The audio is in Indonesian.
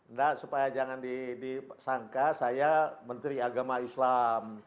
enggak supaya jangan disangka saya menteri agama islam